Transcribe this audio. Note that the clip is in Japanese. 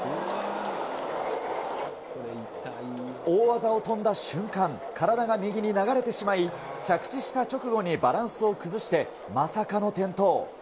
大技を飛んだ瞬間、体が右に流れてしまい、着地した直後にバランスを崩して、まさかの転倒。